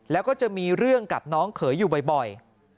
แล้วก็จะมีเรื่องกับน้องเขยอยู่บ่อย